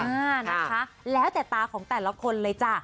อ่านะคะแล้วแต่ตาของแต่ละคนเลยจ้ะ